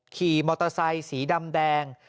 ขี่มอเตอร์ไซค์สีดำแดง